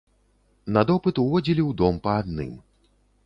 На допыт уводзілі ў дом па адным.